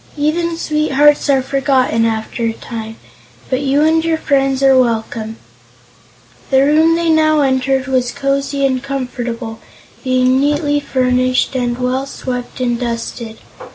"Even sweethearts are forgotten after a time, but you and your friends are welcome." The room they now entered was cosy and comfortable, being neatly furnished and well swept and dusted.